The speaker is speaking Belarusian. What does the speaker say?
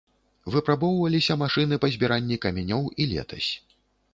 Выпрабоўваліся машыны па збіранні камянёў і летась.